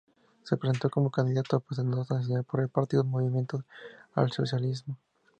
Se presentó como candidato a Senador Nacional por el Partido del Movimiento al Socialismo.